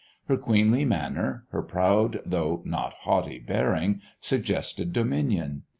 Her queenly manner, her proud though not haughty bearing, suggested dominion.